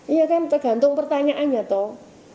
iya kan tergantung pertanyaannya toh